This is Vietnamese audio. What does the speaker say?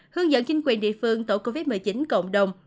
hướng dẫn chính quyền địa phương tổ covid một mươi chín cộng đồng